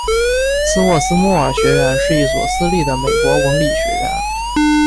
斯沃斯莫尔学院是一所私立的美国文理学院。